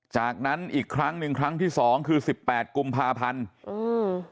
จากนั้นอีกครั้งหนึ่งครั้งที่สองคือสิบแปดกุมภาพันธ์อืม